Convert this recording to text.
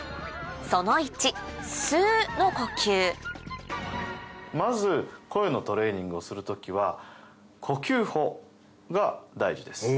その１まず声のトレーニングをする時は呼吸法が大事です。